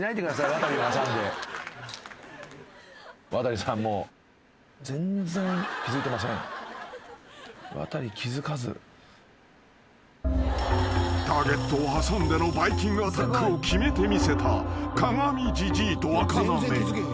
「ワタリを挟んで」「ワタリ気付かず」［ターゲットを挟んでの『バイキング』アタックを決めてみせた鏡じじいとあかなめ］